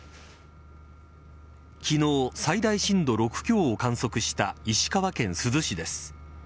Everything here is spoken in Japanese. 昨日、最大震度６強を観測した石川県珠洲市です。